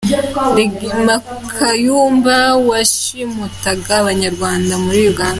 Rugema Kayumba washimutaga abanyarwanda muri Uganda